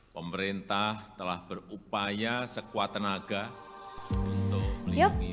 pemerintah telah berupaya sekuat tenaga untuk melindungi rakyat dari jenis bbm